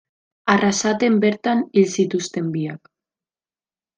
Arrasaten bertan hil zituzten biak.